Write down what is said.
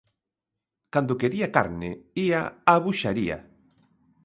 Cando quería carne, ía á buxaría.